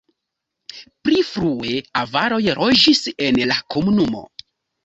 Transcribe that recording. Pli frue avaroj loĝis en la komunumo.